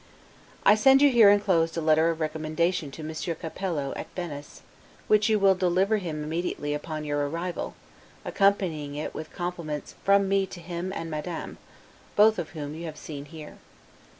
I send you here inclosed a letter of recommendation to Monsieur Capello, at Venice, which you will deliver him immediately upon your arrival, accompanying it with compliments from me to him and Madame, both of whom you have seen here.